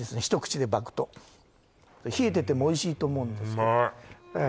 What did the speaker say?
一口でバクッと冷えててもおいしいと思うんです